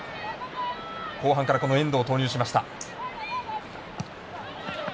後半から遠藤を投入しました。